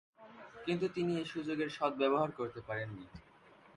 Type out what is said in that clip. কিন্তু তিনি এ সুযোগের সদ্ব্যবহার করতে পারেননি।